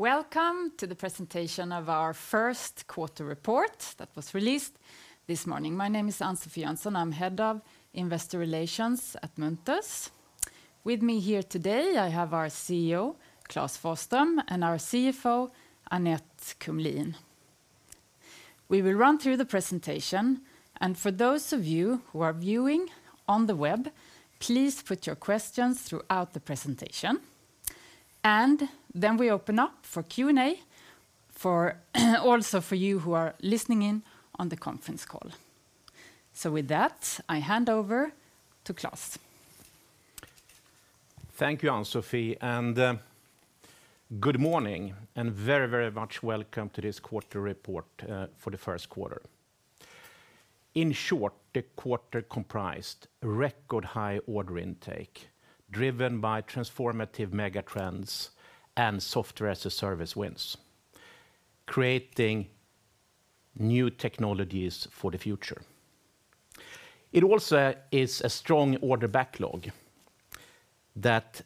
Welcome to the presentation of our Q1 report that was released this morning. My name is Ann-Sofi Jönsson. I'm head of Investor Relations at Munters. With me here today, I have our CEO, Klas Forsström, and our CFO, Annette Kumlien. We will run through the presentation, and for those of you who are viewing on the web, please put your questions throughout the presentation. Then we open up for Q&A for, also for you who are listening in on the conference call. With that, I hand over to Klas. Thank you, Ann-Sofi, and good morning, and very, very much welcome to this quarter report for the Q1. In short, the quarter comprised record high order intake, driven by transformative mega-trends and software as a service wins, creating new technologies for the future. It also is a strong order backlog that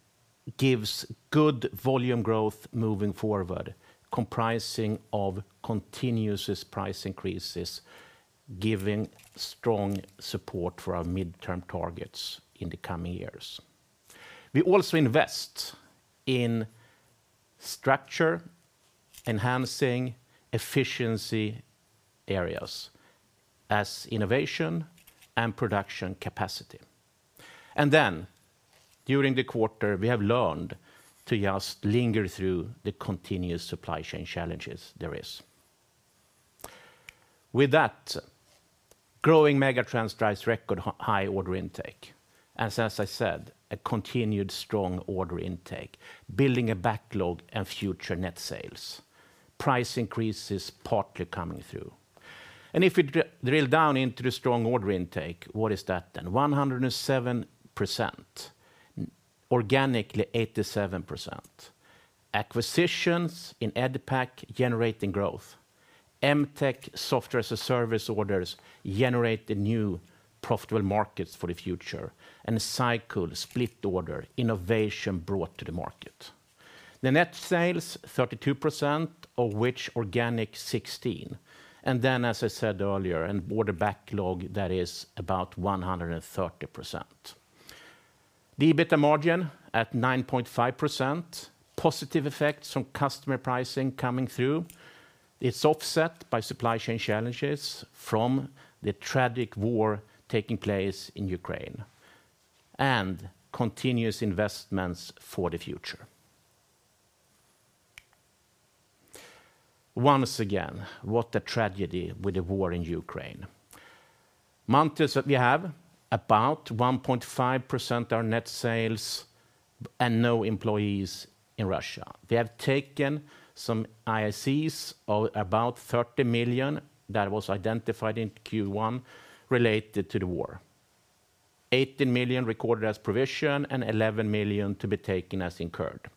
gives good volume growth moving forward, comprising of continuous price increases, giving strong support for our midterm targets in the coming years. We also invest in structure, enhancing efficiency areas as innovation and production capacity. During the quarter, we have learned to just linger through the continuous supply chain challenges there is. With that, growing mega-trends drives record high order intake. As I said, a continued strong order intake, building a backlog of future net sales, price increases partly coming through. If you drill down into the strong order intake, what is that then? 107%, organically 87%. Acquisitions in EDPAC generating growth. MTech software as a service orders generate the new profitable markets for the future, and a SyCool Split order innovation brought to the market. The net sales, 32%, of which organic 16%. Then, as I said earlier, an order backlog that is about 130%. The EBITDA margin at 9.5%, positive effects from customer pricing coming through. It's offset by supply chain challenges from the tragic war taking place in Ukraine and continuous investments for the future. Once again, what a tragedy with the war in Ukraine. Munters, we have about 1.5% of our net sales and no employees in Russia. We have taken some IACs of about 30 million that was identified in Q1 related to the war. 18 million recorded as provision and 11 million to be taken as incurred.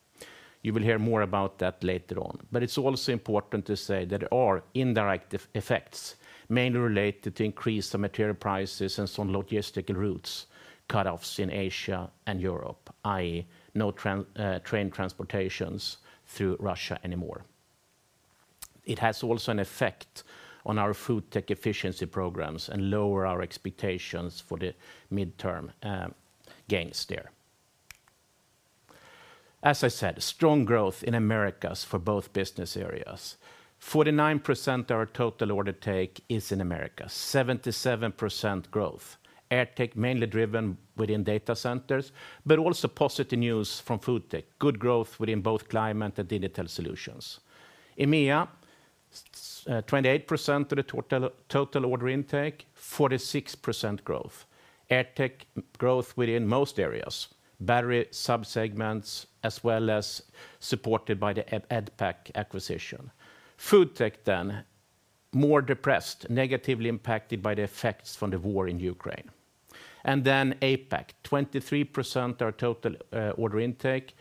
You will hear more about that later on. It's also important to say there are indirect effects, mainly related to increase the material prices and some logistic routes cutoffs in Asia and Europe, i.e., no train transportations through Russia anymore. It has also an effect on our FoodTech efficiency programs and lower our expectations for the midterm gains there. As I said, strong growth in Americas for both business areas. 49% of our total order intake is in Americas, 77% growth. AirTech mainly driven within data centers, but also positive news from FoodTech. Good growth within both climate and digital solutions. EMEA, 28% of the total order intake, 46% growth. AirTech growth within most areas, battery subsegments, as well as supported by the EDPAC acquisition. FoodTech then, more depressed, negatively impacted by the effects from the war in Ukraine. APAC, 23% of our total order intake,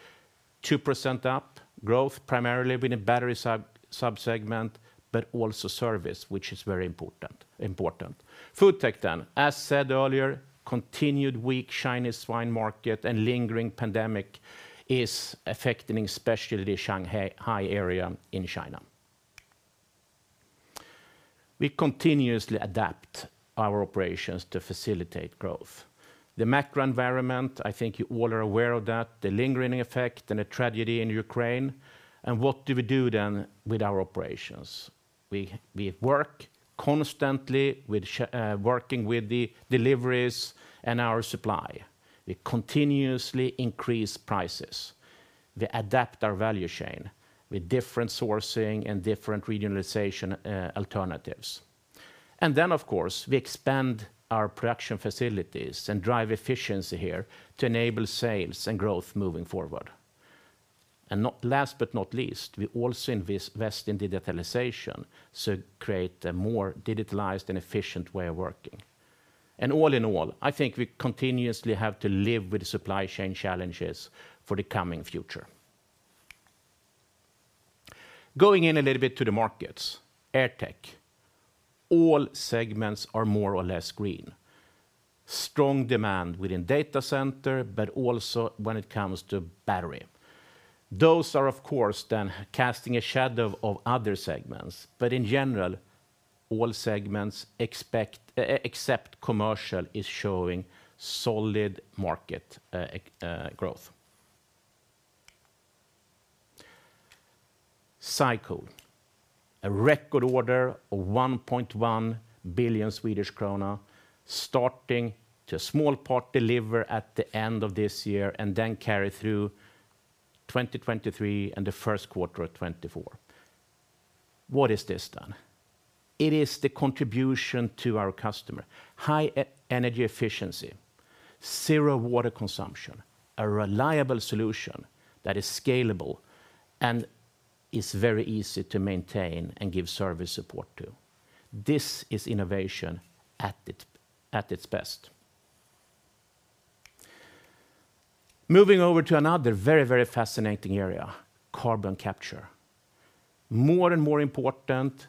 2% growth, primarily within battery subsegment, but also service, which is very important. FoodTech then, as said earlier, continued weak Chinese swine market and lingering pandemic is affecting especially the Shanghai area in China. We continuously adapt our operations to facilitate growth. The macro environment, I think you all are aware of that, the lingering effect and the tragedy in Ukraine. What do we do then with our operations? We work constantly, working with the deliveries and our supply. We continuously increase prices. We adapt our value chain with different sourcing and different regionalization alternatives. Of course, we expand our production facilities and drive efficiency here to enable sales and growth moving forward. Last but not least, we also invest in digitalization to create a more digitalized and efficient way of working. All in all, I think we continuously have to live with the supply chain challenges for the coming future. Going in a little bit to the markets, AirTech, all segments are more or less green. Strong demand within data center, but also when it comes to battery. Those are of course then casting a shadow over other segments. In general, all segments except commercial are showing solid market growth. SyCool, a record order of 1.1 billion Swedish krona starting to small part deliver at the end of this year and then carry through 2023 and the Q1 of 2024. What is this then? It is the contribution to our customer. High energy efficiency, zero water consumption, a reliable solution that is scalable and is very easy to maintain and give service support to. This is innovation at its best. Moving over to another very, very fascinating area. Carbon capture. More and more important,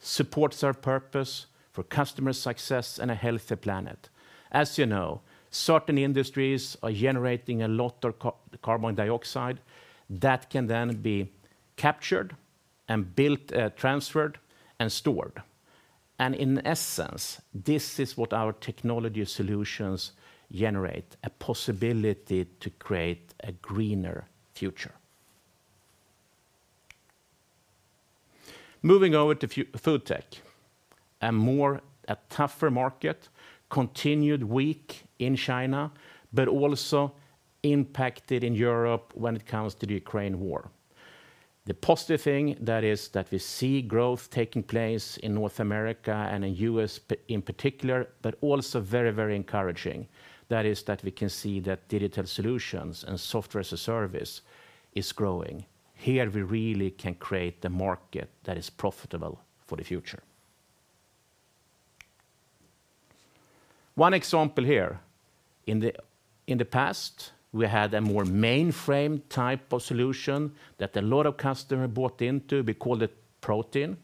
supports our purpose for customer success and a healthy planet. As you know, certain industries are generating a lot of carbon dioxide that can then be captured and built, transferred and stored. In essence, this is what our technology solutions generate, a possibility to create a greener future. Moving over to FoodTech, a tougher market, continued weak in China, but also impacted in Europe when it comes to the Ukraine war. The positive thing that is that we see growth taking place in North America and in the U.S. in particular, but also very, very encouraging, that is that we can see that digital solutions and software as a service is growing. Here, we really can create the market that is profitable for the future. One example here, in the past, we had a more mainframe type of solution that a lot of customer bought into, we called it Protein.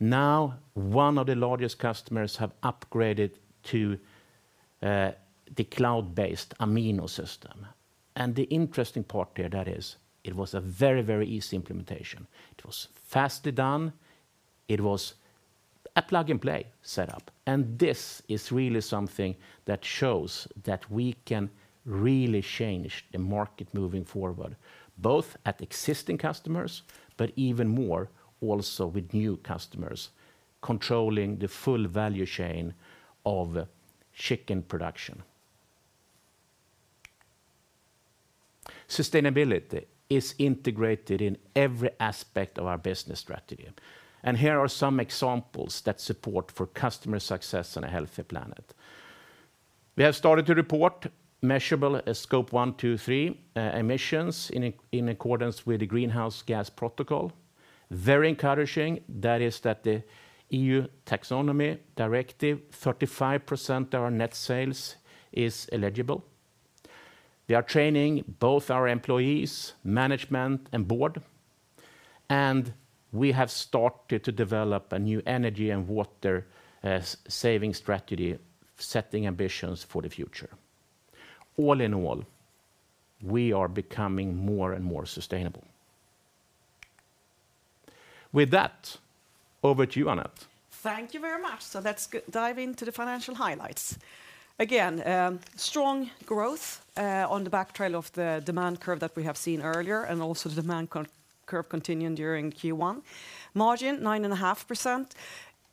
Now, one of the largest customers have upgraded to the cloud-based Amino system. The interesting part there that is, it was a very, very easy implementation. It was fast done. It was a plug-and-play setup. This is really something that shows that we can really change the market moving forward, both at existing customers, but even more also with new customers, controlling the full value chain of chicken production. Sustainability is integrated in every aspect of our business strategy. Here are some examples that support for customer success on a healthy planet. We have started to report measurable Scope 1, 2, 3 emissions in accordance with the Greenhouse Gas Protocol. Very encouraging, that is the EU Taxonomy directive, 35% of our net sales is eligible. We are training both our employees, management, and board, and we have started to develop a new energy and water saving strategy, setting ambitions for the future. All in all, we are becoming more and more sustainable. With that, over to you, Annette. Thank you very much. Let's dive into the financial highlights. Again, strong growth on the backdrop of the demand curve that we have seen earlier, and also the demand curve continuing during Q1. Margin, 9.5%.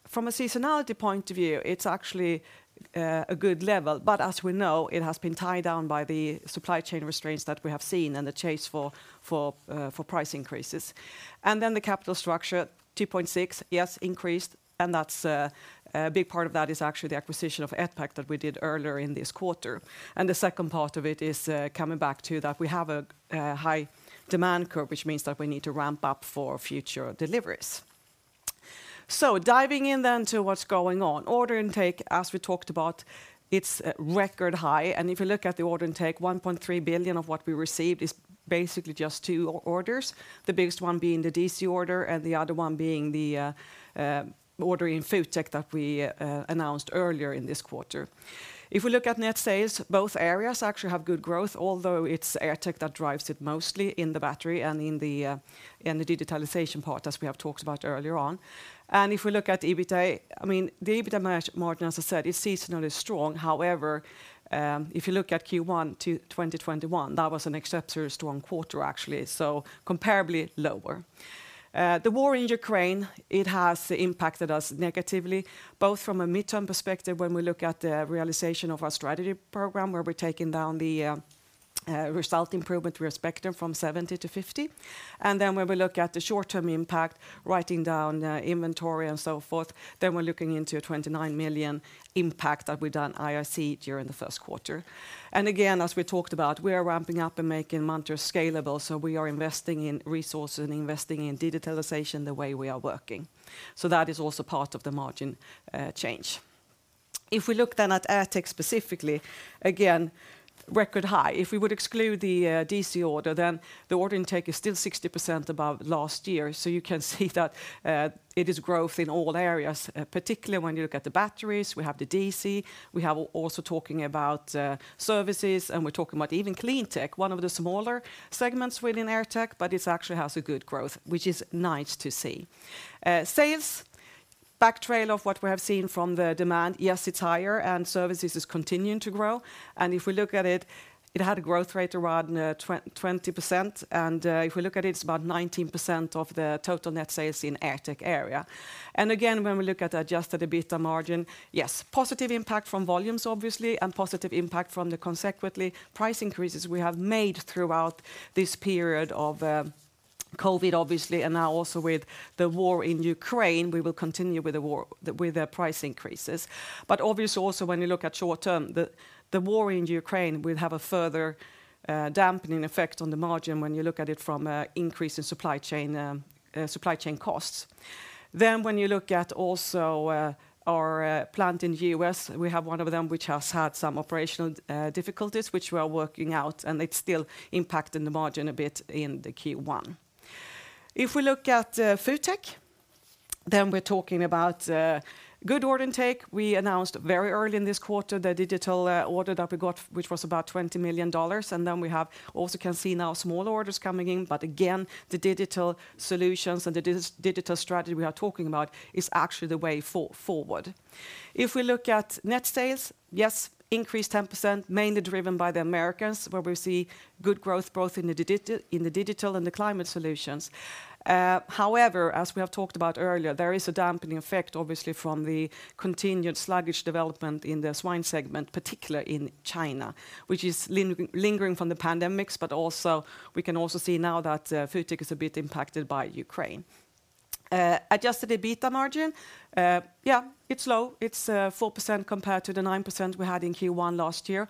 From a seasonality point of view, it's actually a good level. As we know, it has been tied down by the supply chain restraints that we have seen and the chase for price increases. The capital structure, 2.6, yes, increased. That's a big part of that is actually the acquisition of EDPAC that we did earlier in this quarter. The second part of it is coming back to that we have a high demand curve, which means that we need to ramp up for future deliveries. Diving in to what's going on. Order intake, as we talked about, it's record high. If you look at the order intake, 1.3 billion of what we received is basically just two orders, the biggest one being the DC order and the other one being the order in FoodTech that we announced earlier in this quarter. If we look at net sales, both areas actually have good growth, although it's AirTech that drives it mostly in the battery and in the digitalization part as we have talked about earlier on. If we look at the EBITA, I mean, the EBITA margin, as I said, is seasonally strong. However, if you look at Q1 2021, that was an exceptionally strong quarter, actually, so comparably lower. The war in Ukraine, it has impacted us negatively, both from a midterm perspective when we look at the realization of our strategy program, where we're taking down the result improvement we expect them from 70 to 50. When we look at the short-term impact, writing down the inventory and so forth, we're looking into a 29 million impact that we done IAC during the first quarter. As we talked about, we are ramping up and making Munters scalable, so we are investing in resource and investing in digitalization the way we are working. That is also part of the margin change. If we look at AirTech specifically, again, record high. If we would exclude the DC order, the order intake is still 60% above last year. You can see that it is growth in all areas, particularly when you look at the batteries, we have the DC, we have also talking about services, and we're talking about even CleanTech, one of the smaller segments within AirTech, but it actually has a good growth, which is nice to see. Sales backlog of what we have seen from the demand. Yes, it's higher, and services is continuing to grow. If we look at it had a growth rate around 20%. If we look at it's about 19% of the total net sales in AirTech area. Again, when we look at adjusted EBITDA margin, yes, positive impact from volumes, obviously, and positive impact from the consequently price increases we have made throughout this period of COVID, obviously, and now also with the war in Ukraine, we will continue with the price increases. But obviously also, when you look at short term, the war in Ukraine will have a further dampening effect on the margin when you look at it from increase in supply chain costs. When you look at our plant in U.S., we have one of them which has had some operational difficulties, which we are working out, and it's still impacting the margin a bit in the Q1. If we look at FoodTech, then we're talking about good order intake. We announced very early in this quarter the digital order that we got, which was about $20 million. Then we have smaller orders coming in. Again, the digital solutions and the digital strategy we are talking about is actually the way forward. If we look at net sales, yes, increased 10%, mainly driven by the Americas, where we see good growth both in the digital and the climate solutions. However, as we have talked about earlier, there is a dampening effect, obviously, from the continued sluggish development in the swine segment, particularly in China, which is lingering from the pandemics, but also we can also see now that FoodTech is a bit impacted by Ukraine. The adjusted EBITDA margin, yeah, it's low. It's 4% compared to the 9% we had in Q1 last year.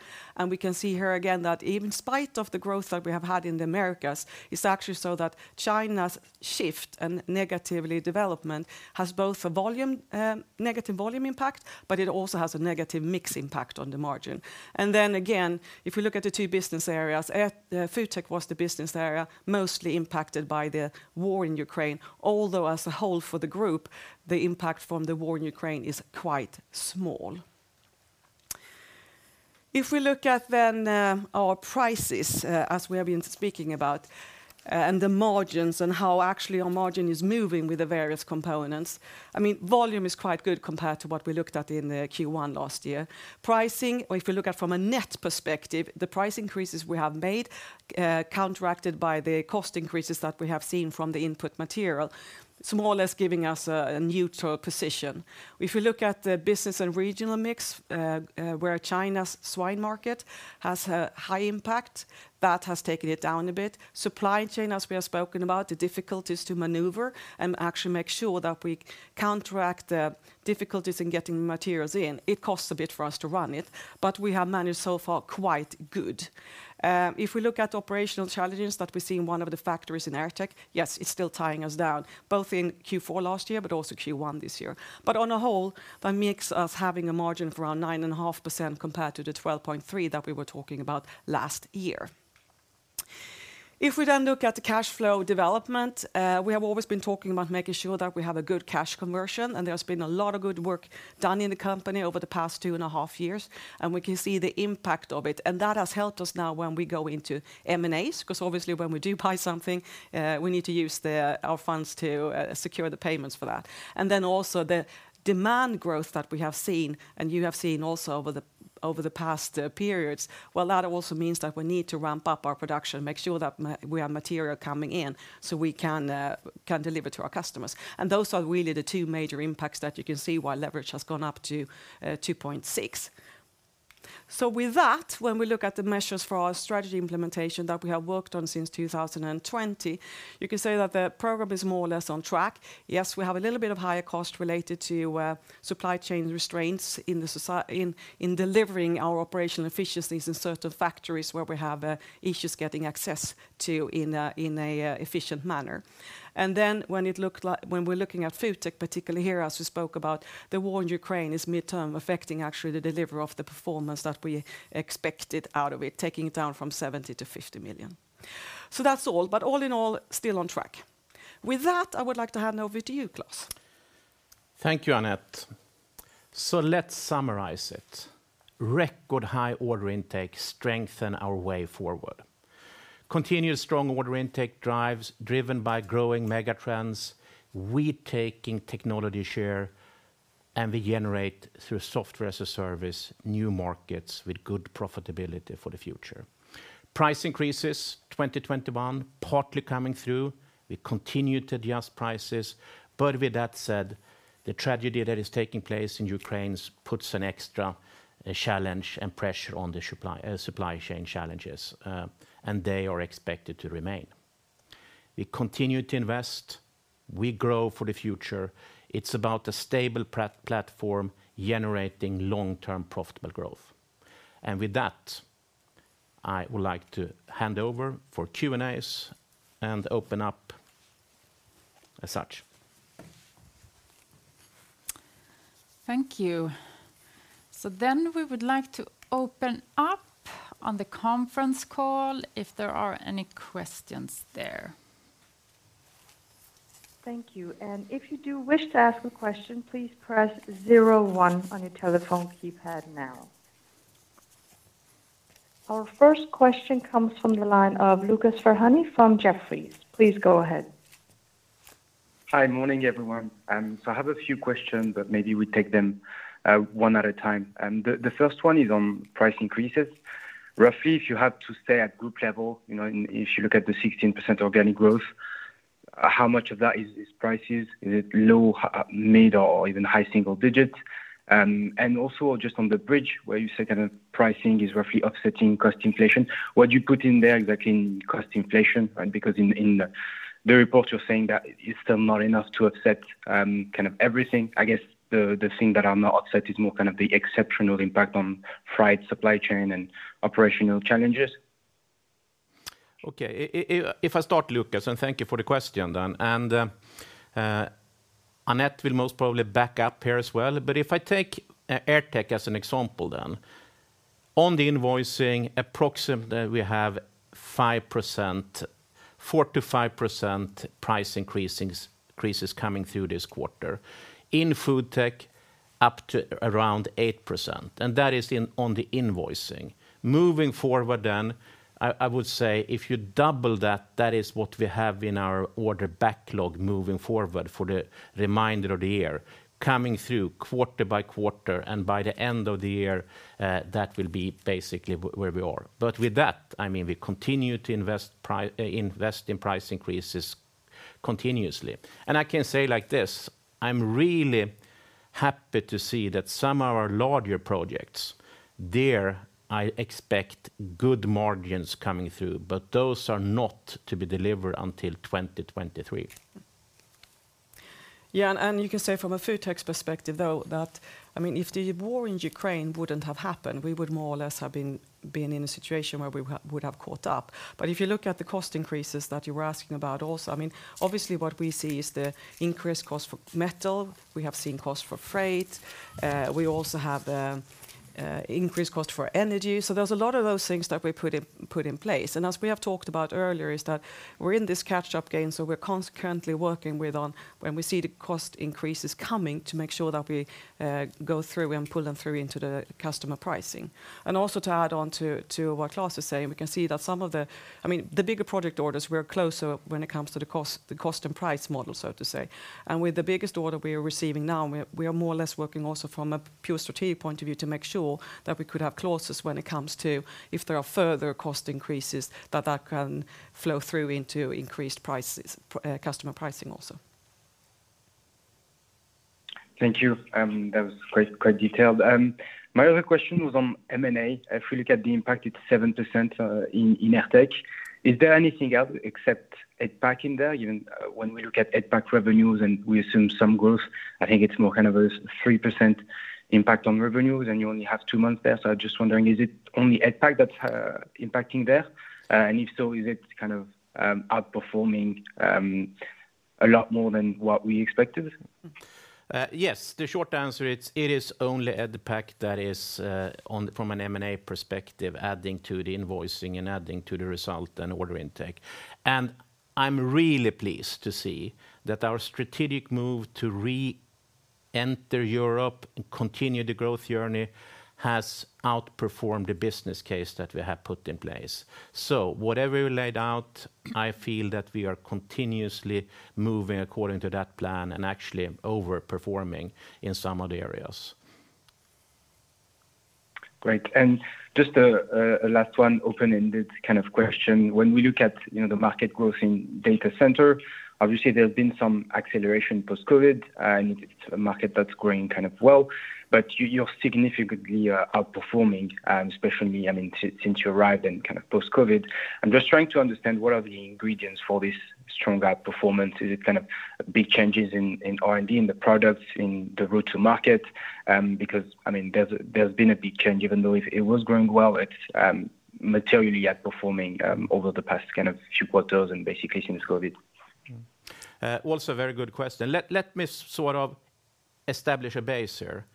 We can see here again that even despite the growth that we have had in the Americas, it's actually so that China's shift and negative development has both a volume and negative volume impact, but it also has a negative mix impact on the margin. Then again, if we look at the two business areas, FoodTech was the business area mostly impacted by the war in Ukraine, although as a whole for the group, the impact from the war in Ukraine is quite small. If we look at then, our prices, as we have been speaking about, and the margins and how actually our margin is moving with the various components, I mean, volume is quite good compared to what we looked at in the Q1 last year. Pricing, or if you look at from a net perspective, the price increases we have made, counteracted by the cost increases that we have seen from the input material, more or less giving us a neutral position. If you look at the business and regional mix, where China's swine market has a high impact, that has taken it down a bit. Supply chain, as we have spoken about, the difficulties to maneuver and actually make sure that we counteract the difficulties in getting materials in. It costs a bit for us to run it, but we have managed so far quite good. If we look at operational challenges that we see in one of the factories in AirTech, yes, it's still tying us down, both in Q4 last year, but also Q1 this year. On the whole, that makes us having a margin for around 9.5% compared to the 12.3% that we were talking about last year. If we then look at the cash flow development, we have always been talking about making sure that we have a good cash conversion, and there's been a lot of good work done in the company over the past two and a half years, and we can see the impact of it. That has helped us now when we go into M&As, because obviously, when we do buy something, we need to use our funds to secure the payments for that. Then also the demand growth that we have seen, and you have seen also over the past periods. Well, that also means that we need to ramp up our production, make sure that we have material coming in so we can deliver to our customers. Those are really the two major impacts that you can see why leverage has gone up to 2.6. With that, when we look at the measures for our strategy implementation that we have worked on since 2020, you can say that the program is more or less on track. Yes, we have a little bit of higher cost related to supply chain constraints in delivering our operational efficiencies in certain factories where we have issues getting access to in a efficient manner. When we're looking at FoodTech, particularly here, as we spoke about, the war in Ukraine is mid-term affecting actually the delivery of the performance that we expected out of it, taking it down from 70 million-50 million. That's all. All in all, still on track. With that, I would like to hand over to you, Klas. Thank you, Annette. Let's summarize it. Record high order intake strengthen our way forward. Continuous strong order intake driven by growing megatrends. We're taking technology share, and we generate, through software as a service, new markets with good profitability for the future. Price increases 2021 partly coming through. We continue to adjust prices. With that said, the tragedy that is taking place in Ukraine puts an extra challenge and pressure on the supply chain challenges, and they are expected to remain. We continue to invest. We grow for the future. It's about a stable platform generating long-term profitable growth. With that, I would like to hand over for Q&As and open up as such. Thank you. We would like to open up on the conference call if there are any questions there. Thank you. If you do wish to ask a question, please press zero one on your telephone keypad now. Our first question comes from the line of Lucas Ferhani from Jefferies. Please go ahead. Hi. Morning, everyone. So I have a few questions, but maybe we take them one at a time. The first one is on price increases. Roughly, if you have to say at group level, you know, and if you look at the 16% organic growth, how much of that is prices? Is it low, mid, or even high single-digits? And also just on the bridge where you say kind of pricing is roughly offsetting cost inflation, what'd you put in there exactly in cost inflation? Because in the report you're saying that it's still not enough to offset kind of everything. I guess the thing that are not offset is more kind of the exceptional impact on freight supply chain and operational challenges. Okay. If I start, Lucas, thank you for the question then. Annette will most probably back up here as well. If I take AirTech as an example, on the invoicing, approximately we have 5%, 4%-5% price increases coming through this quarter. In FoodTech, up to around 8%, and that is on the invoicing. Moving forward then, I would say if you double that is what we have in our order backlog moving forward for the remainder of the year, coming through quarter by quarter, and by the end of the year, that will be basically where we are. With that, I mean, we continue to invest in price increases continuously. I can say like this, I'm really happy to see that some of our larger projects, there I expect good margins coming through, but those are not to be delivered until 2023. Yeah. You can say from a FoodTech's perspective, though, that, I mean, if the war in Ukraine wouldn't have happened, we would more or less have been in a situation where we would have caught up. If you look at the cost increases that you were asking about also, I mean, obviously what we see is the increased cost for metal. We have seen cost for freight. We also have increased cost for energy. So there's a lot of those things that we put in place. As we have talked about earlier is that we're in this catch-up game, so we're consequently working on when we see the cost increases coming to make sure that we go through and pull them through into the customer pricing. Also to add on to what Klas is saying, we can see that some of the—I mean, the bigger project orders were closer when it comes to the cost and price model, so to say. With the biggest order we are receiving now, we are more or less working also from a pure strategic point of view to make sure that we could have clauses when it comes to if there are further cost increases that can flow through into increased prices, customer pricing also. Thank you. That was quite detailed. My other question was on M&A. If we look at the impact, it's 7% in AirTech. Is there anything else except EDPAC in there? Even when we look at EDPAC revenues, and we assume some growth, I think it's more kind of a 3% impact on revenues, and you only have two months there. I'm just wondering, is it only EDPAC that's impacting there? And if so, is it kind of outperforming a lot more than what we expected? Yes. The short answer, it is only EDPAC that is from an M&A perspective, adding to the invoicing and adding to the result and order intake. I'm really pleased to see that our strategic move to re-enter Europe and continue the growth journey has outperformed the business case that we have put in place. Whatever we laid out, I feel that we are continuously moving according to that plan and actually over-performing in some of the areas. Great. Just a last one open-ended kind of question. When we look at the market growth in data center, obviously there's been some acceleration post-COVID, and it's a market that's growing kind of well. You're significantly outperforming, especially since you arrived and kind of post-COVID. I'm just trying to understand what are the ingredients for this strong outperformance. Is it kind of big changes in R&D, in the products, in the route to market? Because there's been a big change even though it was growing well. It's materially outperforming over the past kind of few quarters and basically since COVID. Also very good question. Let me sort of establish a base here.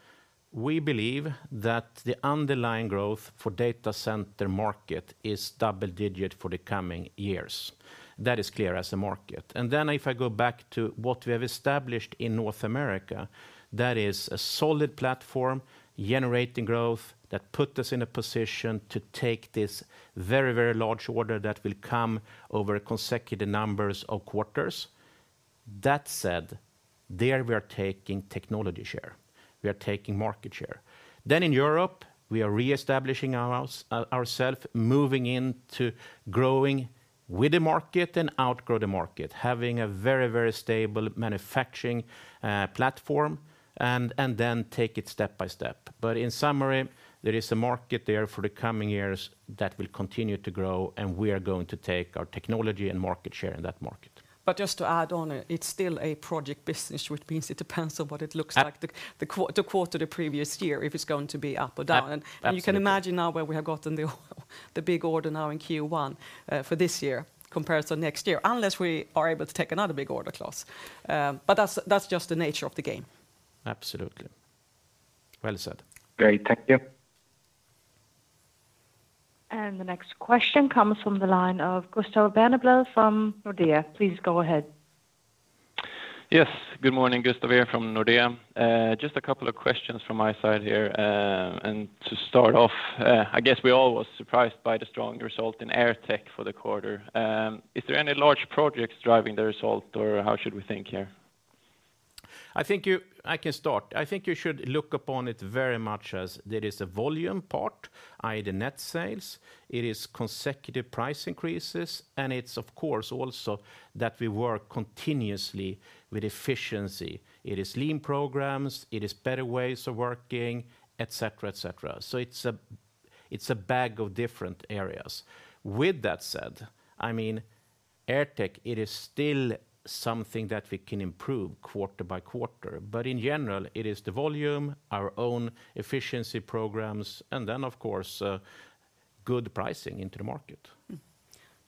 We believe that the underlying growth for data center market is double digit for the coming years. That is clear as a market. Then if I go back to what we have established in North America, that is a solid platform generating growth that put us in a position to take this very, very large order that will come over consecutive numbers of quarters. That said, there we are taking technology share. We are taking market share. In Europe, we are reestablishing ourselves, moving into growing with the market and outgrow the market, having a very, very stable manufacturing platform and then take it step by step. In summary, there is a market there for the coming years that will continue to grow, and we are going to take our technology and market share in that market. Just to add on, it's still a project business, which means it depends on what it looks like the quarter the previous year, if it's going to be up or down. Absolutely. You can imagine now where we have gotten the big order now in Q1 for this year comparison next year, unless we are able to take another big order, Klas. But that's just the nature of the game. Absolutely. Well said. Great. Thank you. The next question comes from the line of Gustav Berneblad from Nordea. Please go ahead. Yes. Good morning, Gustav from Nordea. Just a couple of questions from my side here. To start off, I guess we all was surprised by the strong result in AirTech for the quarter. Is there any large projects driving the result or how should we think here? I can start. I think you should look upon it very much as there is a volume part, i.e., the net sales. It is consecutive price increases and it's of course also that we work continuously with efficiency. It is lean programs, it is better ways of working, et cetera, et cetera. It's a, it's a bag of different areas. With that said, I mean, AirTech, it is still something that we can improve quarter-by-quarter. In general it is the volume, our own efficiency programs and then of course, good pricing into the market.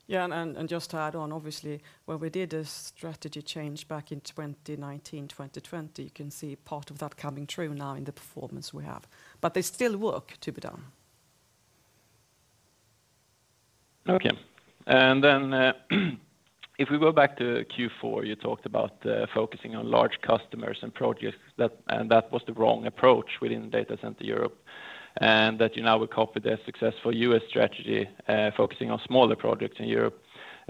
Yeah, just to add on, obviously when we did a strategy change back in 2019, 2020, you can see part of that coming true now in the performance we have. There's still work to be done. Okay. Then, if we go back to Q4, you talked about focusing on large customers and projects, and that was the wrong approach within data center Europe, and that you now will copy the successful U.S. strategy, focusing on smaller projects in Europe.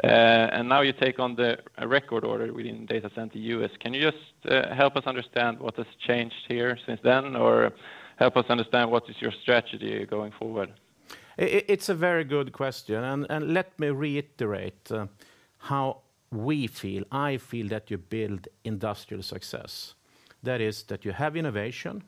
Now you take on a record order within data center U.S. Can you just help us understand what has changed here since then or help us understand what is your strategy going forward? It's a very good question, let me reiterate how we feel. I feel that you build industrial success. That is, you have innovation,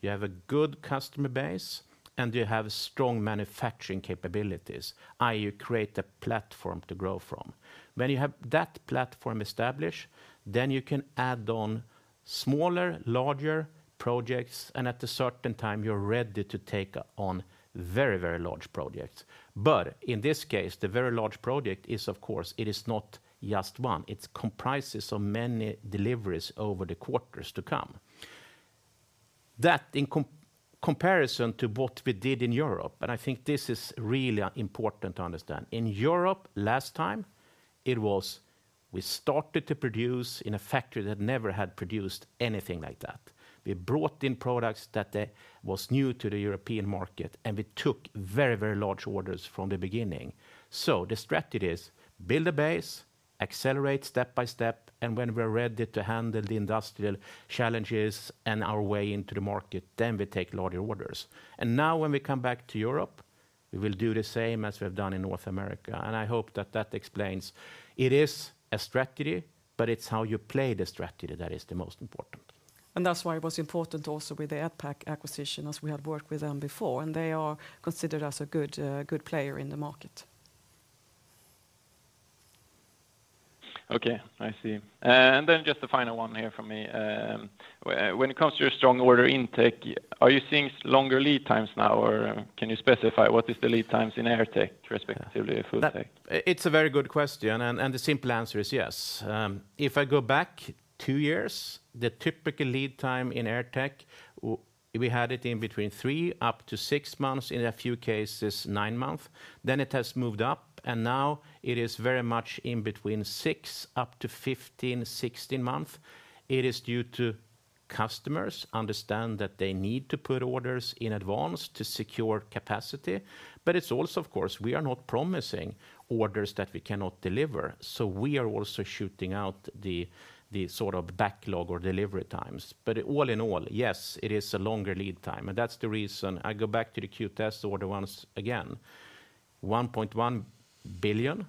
you have a good customer base and you have strong manufacturing capabilities, i.e., you create a platform to grow from. When you have that platform established, then you can add on smaller, larger projects and at a certain time you're ready to take on very, very large projects. In this case the very large project is of course, it is not just one. It comprises of many deliveries over the quarters to come. That in comparison to what we did in Europe, and I think this is really important to understand. In Europe last time it was we started to produce in a factory that never had produced anything like that. We brought in products that was new to the European market and we took very, very large orders from the beginning. The strategy is build a base, accelerate step by step and when we're ready to handle the industrial challenges and our way into the market, then we take larger orders. Now when we come back to Europe, we will do the same as we have done in North America and I hope that that explains. It is a strategy, but it's how you play the strategy that is the most important. That's why it was important also with the EDPAC acquisition as we had worked with them before and they are considered as a good player in the market. Okay. I see. Just the final one here from me. When it comes to your strong order intake, are you seeing longer lead times now or can you specify what is the lead times in AirTech respectively FoodTech? It's a very good question and the simple answer is yes. If I go back 2 years, the typical lead time in AirTech we had it in between three up to six months, in a few cases nine months. It has moved up and now it is very much in between six up to 15, 16 months. It is due to customers understand that they need to put orders in advance to secure capacity. It's also of course we are not promising orders that we cannot deliver, so we are also stretching out the sort of backlog or delivery times. All in all, yes, it is a longer lead time and that's the reason I go back to the QTS order once again. 1.1 billion,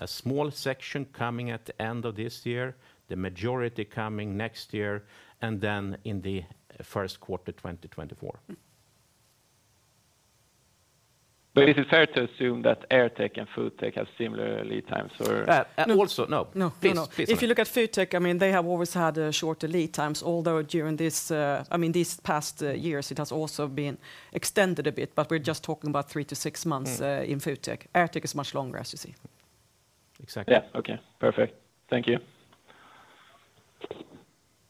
a small section coming at the end of this year, the majority coming next year and then in the Q1 2024. Is it fair to assume that AirTech and FoodTech have similar lead times? Also no. No. If you look at FoodTech, I mean they have always had shorter lead times although during this, I mean these past years it has also been extended a bit, but we're just talking about three to six months in FoodTech. AirTech is much longer as you see. Exactly. Yeah. Okay. Perfect. Thank you.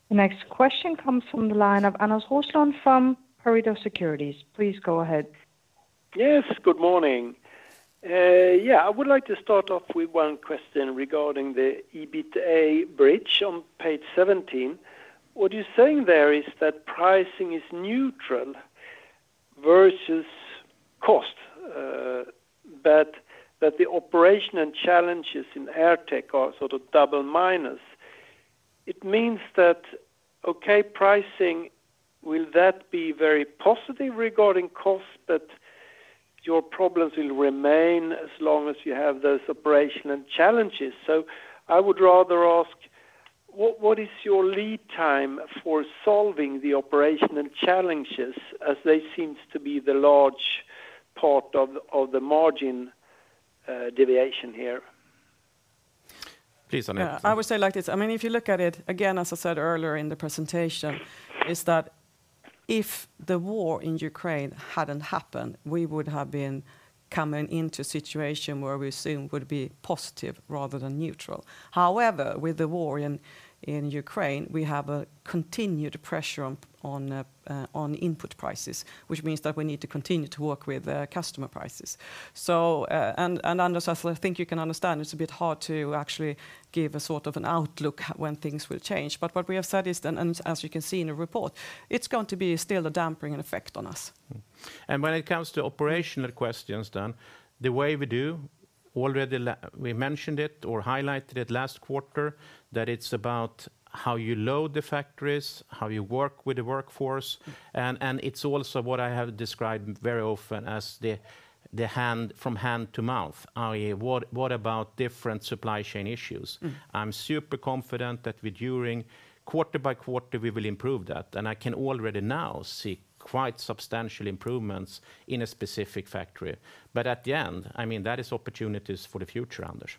The next question comes from the line of Anders Roslund from Pareto Securities. Please go ahead. Yes, good morning. Yeah, I would like to start off with one question regarding the EBITDA bridge on page 17. What you're saying there is that pricing is neutral versus cost, but that the operation and challenges in AirTech are sort of double minus. It means that, okay, pricing will that be very positive regarding cost but your problems will remain as long as you have those operational challenges. I would rather ask what is your lead time for solving the operational challenges as they seems to be the large part of the margin deviation here? Yeah, I would say like this. I mean, if you look at it, again, as I said earlier in the presentation, is that if the war in Ukraine hadn't happened, we would have been coming into a situation where we soon would be positive rather than neutral. However, with the war in Ukraine, we have a continued pressure on input prices, which means that we need to continue to work with customer prices. Anders, as I think you can understand, it's a bit hard to actually give a sort of an outlook when things will change. What we have said is then, and as you can see in the report, it's going to be still a dampening effect on us. When it comes to operational questions then, the way we do, already we mentioned it or highlighted it last quarter, that it's about how you load the factories, how you work with the workforce. It's also what I have described very often as the hand from hand to mouth, i.e., what about different supply chain issues? Mm. I'm super confident that we during quarter by quarter, we will improve that. I can already now see quite substantial improvements in a specific factory. At the end, I mean, that is opportunities for the future, Anders.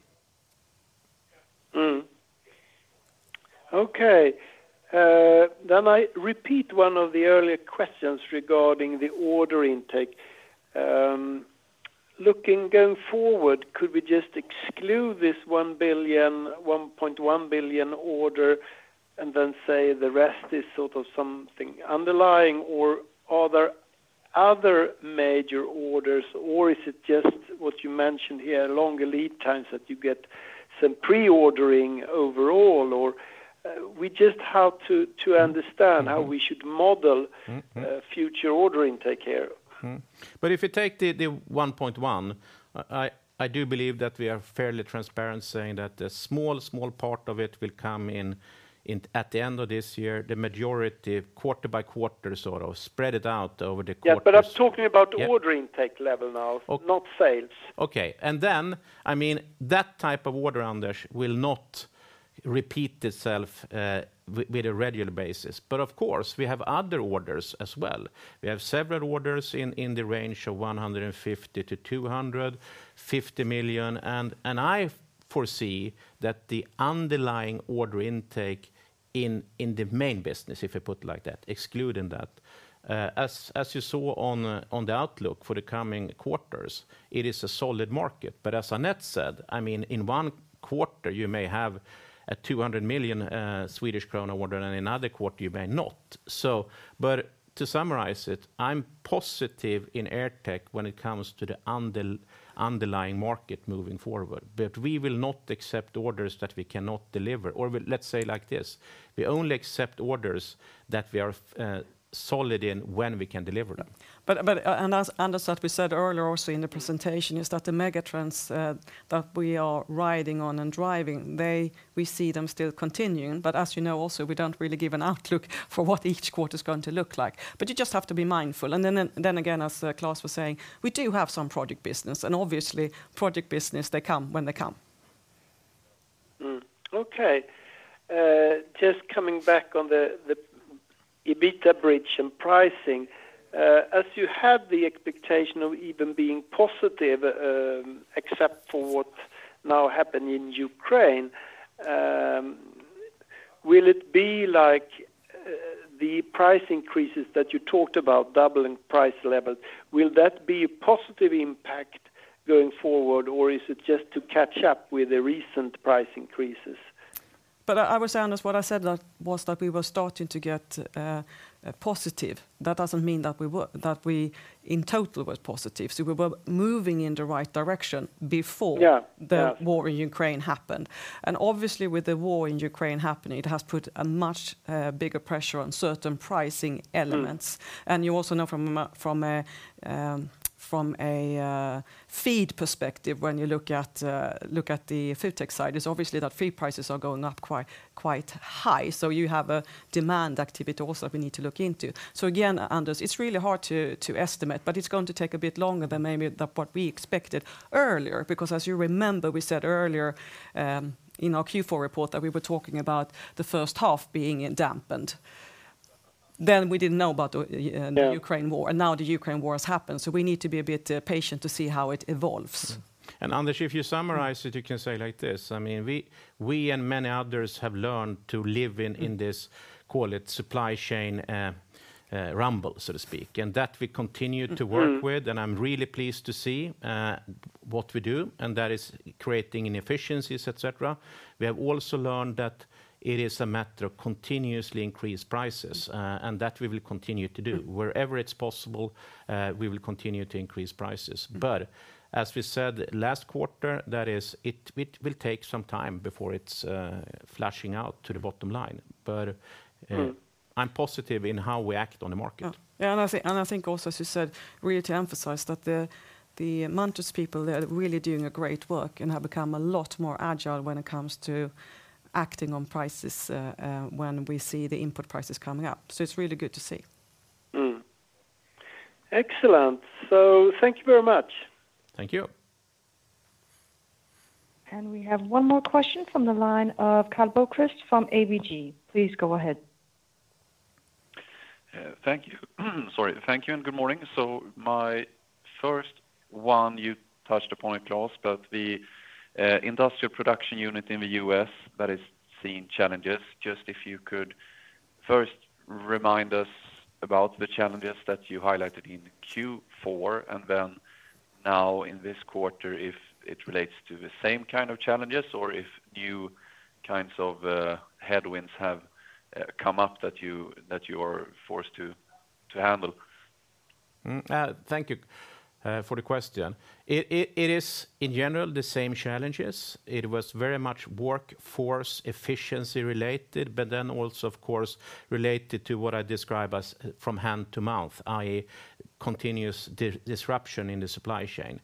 Okay, I repeat one of the earlier questions regarding the order intake. Looking going forward, could we just exclude this 1.1 billion order and then say the rest is sort of something underlying? Or are there other major orders, or is it just what you mentioned here, longer lead times that you get some pre-ordering overall? Or, we just have to understand how we should model- Mm. Mm Future order intake here. If you take the 1.1, I do believe that we are fairly transparent saying that a small part of it will come in at the end of this year, the majority quarter-by-quarter, sort of spread it out over the quarters. Yeah, I'm talking about the order intake level now, not sales. Okay. I mean, that type of order, Anders, will not repeat itself on a regular basis. Of course, we have other orders as well. We have several orders in the range of 150 million-250 million, and I foresee that the underlying order intake in the main business, if I put it like that, excluding that, as you saw in the outlook for the coming quarters, it is a solid market. As Annette said, I mean, in one quarter, you may have a 200 million Swedish krona order, and another quarter you may not. To summarize it, I'm positive in AirTech when it comes to the underlying market moving forward. We will not accept orders that we cannot deliver. Let's say like this, we only accept orders that we are solid in when we can deliver them. As Anders said, we said earlier also in the presentation, is that the megatrends that we are riding on and driving, we see them still continuing. As you know also, we don't really give an outlook for what each quarter is going to look like. You just have to be mindful. Then again, as Klas was saying, we do have some project business, and obviously project business, they come when they come. Okay. Just coming back on the EBITDA bridge and pricing, as you have the expectation of even being positive, except for what now happened in Ukraine, will it be like the price increases that you talked about, doubling price levels, will that be a positive impact going forward, or is it just to catch up with the recent price increases? I would say, Anders, what I said that was that we were starting to get positive. That doesn't mean that we in total was positive. We were moving in the right direction before. Yeah. Yeah The war in Ukraine happened. Obviously, with the war in Ukraine happening, it has put a much bigger pressure on certain pricing elements. Mm. You also know from a feed perspective, when you look at the food tech side, is obviously that feed prices are going up quite high. You have a demand activity also that we need to look into. Again, Anders, it's really hard to estimate, but it's going to take a bit longer than maybe what we expected earlier, because as you remember, we said earlier in our Q4 report that we were talking about the first half being dampened. We didn't know about the Ukraine war, and now the Ukraine war has happened. We need to be a bit patient to see how it evolves. Anders, if you summarize it, you can say like this. I mean, we and many others have learned to live in this, call it supply chain rumble, so to speak, and that we continue to work with. Mm. I'm really pleased to see what we do, and that is creating efficiencies, et cetera. We have also learned that it is a matter of continuously increasing prices, and that we will continue to do. Wherever it's possible, we will continue to increase prices. As we said last quarter, it will take some time before it's flowing out to the bottom line. I'm positive in how we act on the market. Yeah. I think also, as you said, really to emphasize that the Munters people, they are really doing a great work and have become a lot more agile when it comes to acting on prices, when we see the input prices coming up. It's really good to see. Excellent. Thank you very much. Thank you. We have one more question from the line of Karl Bokvist from ABG. Please go ahead. Thank you, and good morning. My first one, you touched upon it, Klas, but the industrial production unit in the U.S. that is seeing challenges, just if you could first remind us about the challenges that you highlighted in Q4 and then now in this quarter if it relates to the same kind of challenges or if new kinds of headwinds have come up that you are forced to handle? Thank you for the question. It is in general the same challenges. It was very much workforce efficiency related, but then also of course related to what I describe as from hand to mouth, i.e., continuous disruption in the supply chain.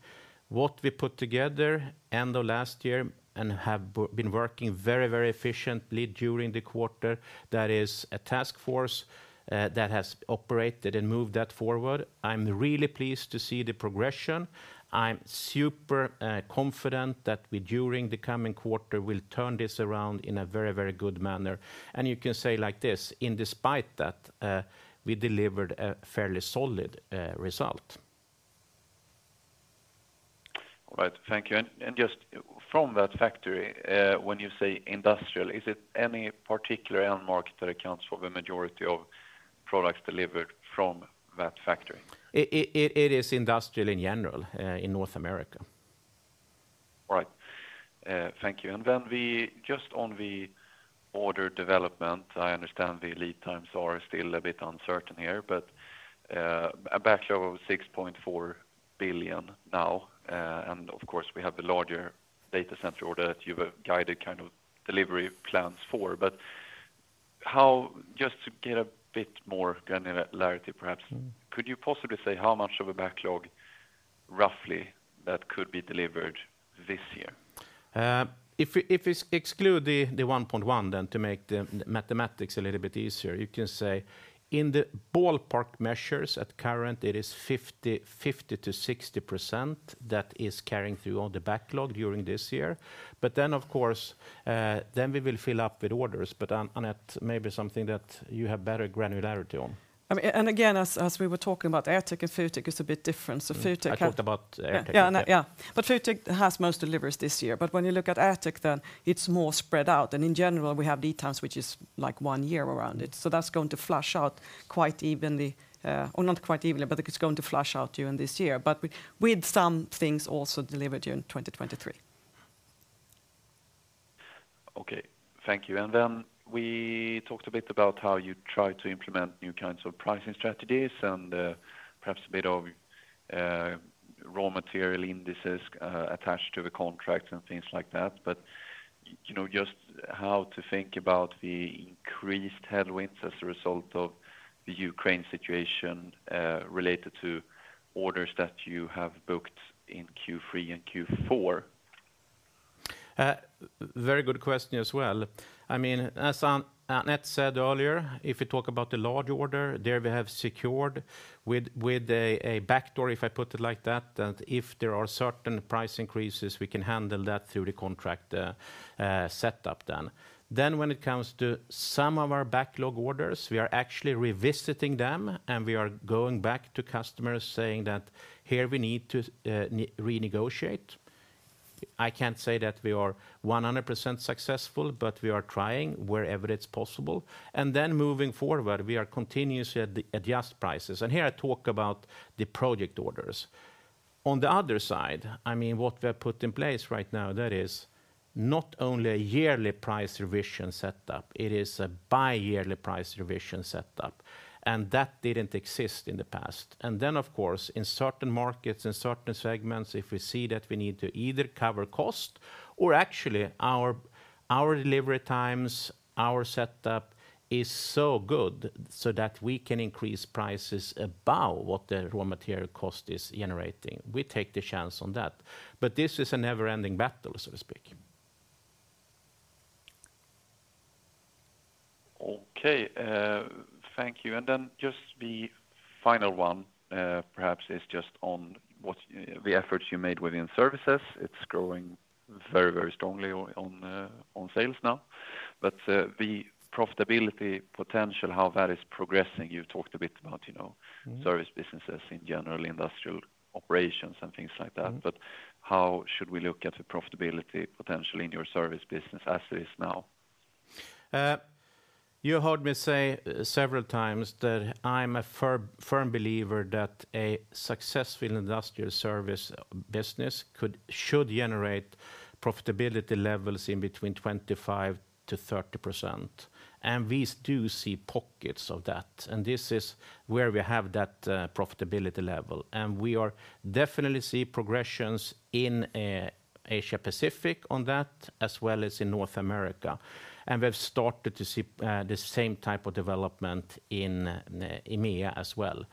What we put together end of last year and have been working very, very efficiently during the quarter, that is a task force that has operated and moved that forward. I'm really pleased to see the progression. I'm super confident that we during the coming quarter will turn this around in a very, very good manner. You can say like this, despite that, we delivered a fairly solid result. All right. Thank you. Just from that factory, when you say industrial, is it any particular end market that accounts for the majority of products delivered from that factory? It is industrial in general, in North America. All right. Thank you. Just on the order development, I understand the lead times are still a bit uncertain here, but a backlog of 6.4 billion now, and of course we have the larger data center order that you have guided kind of delivery plans for. How, just to get a bit more granularity perhaps. Mm. Could you possibly say how much of a backlog roughly that could be delivered this year? If we exclude the 1.1 then to make the mathematics a little bit easier, you can say in the ballpark measures at current it is 50%-60% that is carrying through on the backlog during this year. Then of course we will fill up with orders. Annette, maybe something that you have better granularity on. I mean, and again, as we were talking about, AirTech and FoodTech is a bit different. FoodTech have-. I talked about AirTech. Yeah. Yeah. FoodTech has most deliveries this year. When you look at AirTech then, it's more spread out. In general, we have lead times which is, like, one year around it. That's going to flush out quite evenly, or not quite evenly, but it's going to flush out during this year. We had some things also delivered during 2023. Okay. Thank you. Then we talked a bit about how you try to implement new kinds of pricing strategies and, perhaps a bit of, raw material indices, attached to the contracts and things like that. You know, just how to think about the increased headwinds as a result of the Ukraine situation, related to orders that you have booked in Q3 and Q4. Very good question as well. I mean, as Annette said earlier, if you talk about the large order, there we have secured with a backdoor, if I put it like that if there are certain price increases, we can handle that through the contract setup then. When it comes to some of our backlog orders, we are actually revisiting them, and we are going back to customers saying that, "Here we need to renegotiate." I can't say that we are 100% successful, but we are trying wherever it's possible. Moving forward, we are continuously adjusting prices. Here I talk about the project orders. On the other side, I mean, what we have put in place right now, that is not only a yearly price revision setup, it is a bi-yearly price revision setup, and that didn't exist in the past. Of course, in certain markets, in certain segments, if we see that we need to either cover cost or actually our delivery times, our setup is so good so that we can increase prices above what the raw material cost is generating. We take the chance on that. This is a never-ending battle, so to speak. Okay. Thank you. Then just the final one, perhaps is just on what's the efforts you made within services. It's growing very, very strongly on sales now. But the profitability potential, how that is progressing, you've talked a bit about, you know. Mm. Service businesses in general, industrial operations and things like that. Mm-hmm. How should we look at the profitability potentially in your service business as it is now? You heard me say several times that I'm a firm believer that a successful industrial service business could, should generate profitability levels 25%-30%, and we do see pockets of that. This is where we have that profitability level. We are definitely seeing progressions in Asia Pacific on that, as well as in North America. We've started to see the same type of development in EMEA as well.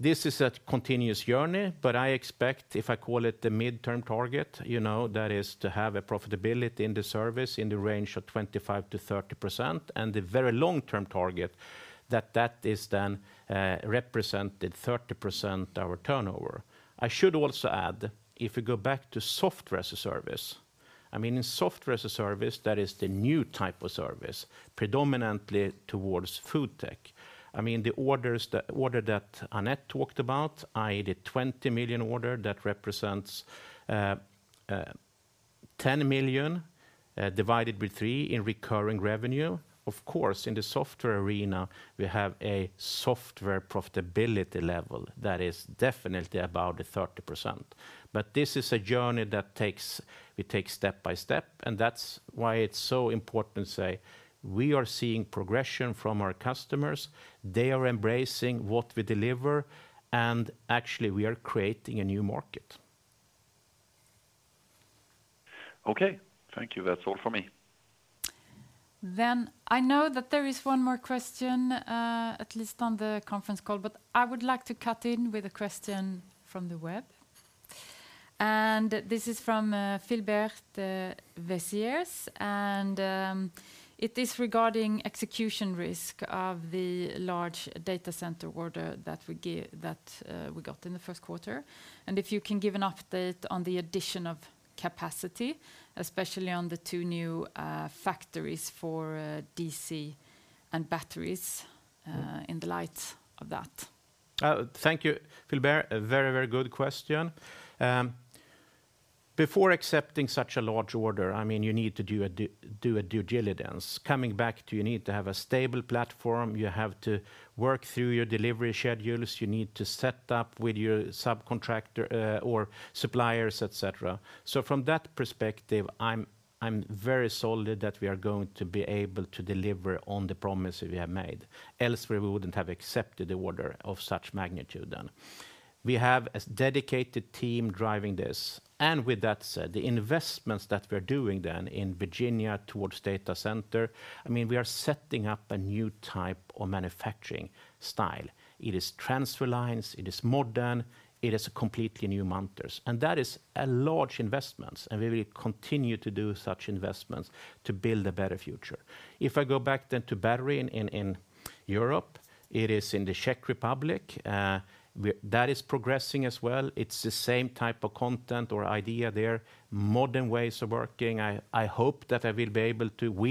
This is a continuous journey, but I expect, if I call it the midterm target, you know, that is to have a profitability in the service in the range of 25%-30%, and the very long-term target that is then represented 30% our turnover. I should also add, if we go back to software as a service. I mean, in software as a service, that is the new type of service predominantly towards food tech. I mean, the order that Annette talked about, i.e., the 20,000,000 order that represents 10,000,000 divided by three in recurring revenue. Of course, in the software arena, we have a software profitability level that is definitely above the 30%. This is a journey that we take step by step, and that's why it's so important to say we are seeing progression from our customers. They are embracing what we deliver, and actually we are creating a new market. Okay. Thank you. That's all for me. I know that there is one more question, at least on the conference call, but I would like to cut in with a question from the web. This is from Philbert Vesiers, and it is regarding execution risk of the large data center order that we got in the Q1. If you can give an update on the addition of capacity, especially on the two new factories for DC and batteries, in the light of that. Thank you, Philbert. A very, very good question. Before accepting such a large order, I mean, you need to do a due diligence. Coming back to you need to have a stable platform, you have to work through your delivery schedules, you need to set up with your subcontractor, or suppliers, et cetera. From that perspective, I'm very solid that we are going to be able to deliver on the promise we have made. Elsewhere, we wouldn't have accepted the order of such magnitude then. We have a dedicated team driving this. With that said, the investments that we're doing then in Virginia towards data center, I mean, we are setting up a new type of manufacturing style. It is transfer lines, it is modern, it is a completely new Munters. That is a large investments, and we will continue to do such investments to build a better future. If I go back then to Battery in Europe, it is in the Czech Republic. That is progressing as well. It's the same type of content or idea there, modern ways of working. I hope that we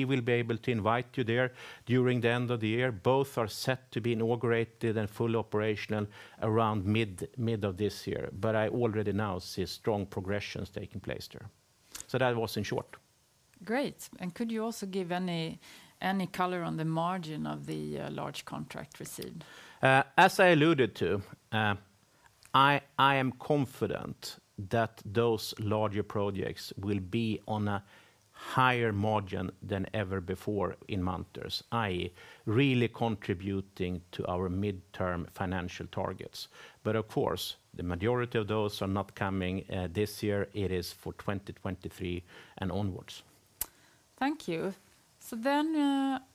will be able to invite you there during the end of the year. Both are set to be inaugurated and full operational around mid of this year. I already now see strong progressions taking place there. That was in short. Great. Could you also give any color on the margin of the large contract received? As I alluded to, I am confident that those larger projects will be on a higher margin than ever before in Munters, i.e., really contributing to our midterm financial targets. Of course, the majority of those are not coming this year. It is for 2023 and onwards. Thank you.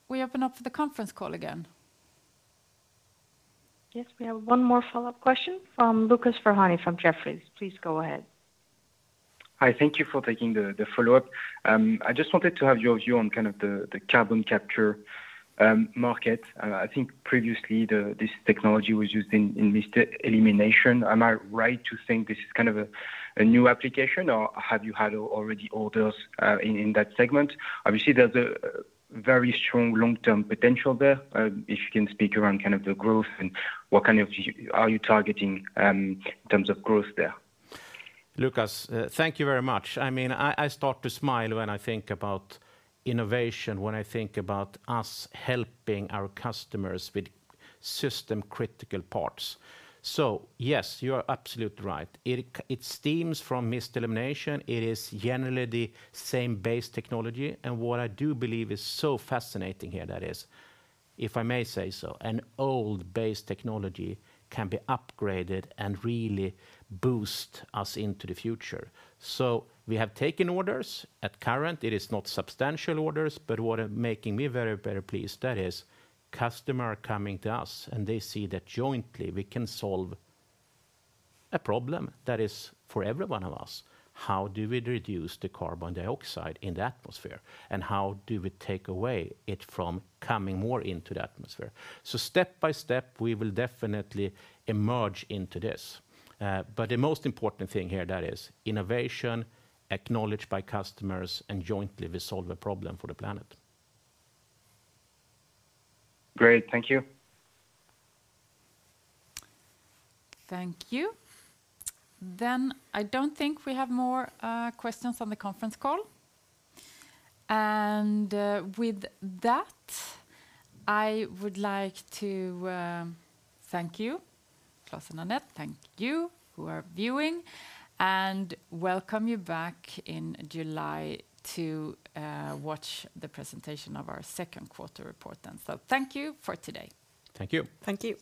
We open up for the conference call again. Yes, we have one more follow-up question from Lucas Ferhani from Jefferies. Please go ahead. Hi. Thank you for taking the follow-up. I just wanted to have your view on kind of the carbon capture market. I think previously this technology was used in mist elimination. Am I right to think this is kind of a new application, or have you had already orders in that segment? Obviously, there's a very strong long-term potential there. If you can speak around kind of the growth and what kind of are you targeting in terms of growth there? Lucas, thank you very much. I mean, I start to smile when I think about innovation, when I think about us helping our customers with system critical parts. Yes, you are absolutely right. It stems from mist elimination. It is generally the same base technology. What I do believe is so fascinating here, that is, if I may say so, an old base technology can be upgraded and really boost us into the future. We have taken orders. Currently, it is not substantial orders, but what are making me very, very pleased, that is customer coming to us, and they see that jointly we can solve a problem that is for every one of us. How do we reduce the carbon dioxide in the atmosphere? How do we take away it from coming more into the atmosphere? Step by step, we will definitely emerge into this. The most important thing here, that is innovation acknowledged by customers, and jointly we solve a problem for the planet. Great. Thank you. Thank you. Then I don't think we have more questions on the conference call. With that, I would like to thank you, Klas and Annette. Thank you to those who are viewing. Welcome you back in July to watch the presentation of our second quarter report then. Thank you for today. Thank you. Thank you.